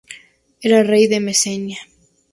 Era rey de Mesenia.